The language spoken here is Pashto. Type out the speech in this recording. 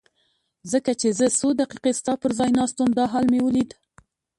ځکه چې زه څو دقیقې ستا پر ځای ناست وم دا حال مې ولید.